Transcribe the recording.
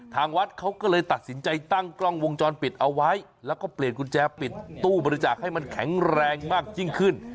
ทางวัดเขาก็เลยตัดสินใจตั้งกล้องวงจรปิดเอาไว้แล้วก็เปลี่ยนกุญแจปิดตู้บริจาคให้มันแข็งแรงมากยิ่งขึ้น